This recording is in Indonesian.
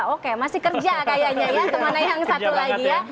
oke masih kerja kayaknya ya kemana yang satu lagi ya